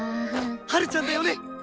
ハルちゃんだよね。